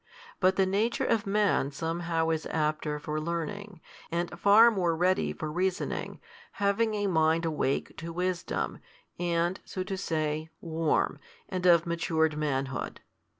But the nature of man somehow is apter for learning, and far more ready for reasoning, having a mind awake to |210 wisdom, and (so to say) warm, and of matured manhood.